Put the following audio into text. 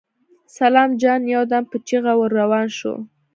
سلام جان يودم په چيغه ور روان شو.